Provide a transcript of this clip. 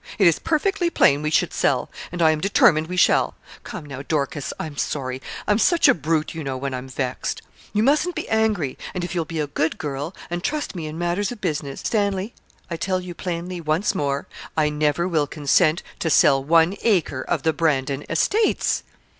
It is perfectly plain we should sell; and I am determined we shall. Come now, Dorcas I'm sorry I'm such a brute, you know, when I'm vexed. You mustn't be angry; and if you'll be a good girl, and trust me in matters of business ' 'Stanley, I tell you plainly once more, I never will consent to sell one acre of the Brandon estates.'